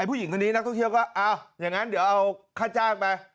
ผู้หญิงคนนี้นักท่องเที่ยวก็อ้าวอย่างนั้นเดี๋ยวเอาค่าจ้างไป